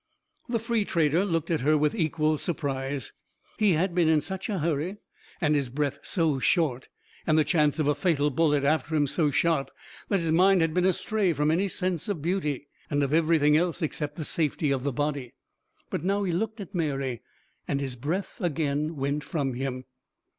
The free trader looked at her with equal surprise. He had been in such a hurry, and his breath so short, and the chance of a fatal bullet after him so sharp, that his mind had been astray from any sense of beauty, and of everything else except the safety of the body. But now he looked at Mary, and his breath again went from him.